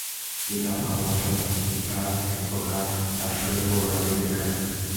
ইহা ভালবাসা নয়, ইহা একপ্রকার দাসসুলভ অনুরাগের বিকার।